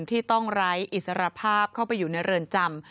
ที่ต้องไรอิสรภาพเข้าไปอยู่ในเรือนจำ